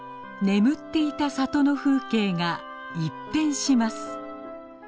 眠っていた里の風景が一変します。